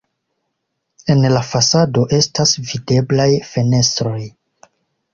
En la fasado estas videblaj fenestroj.